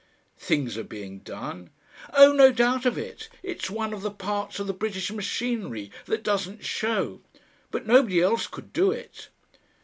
"Things are being done?" "Oh! no doubt of it. It's one of the parts of the British machinery that doesn't show.... But nobody else could do it.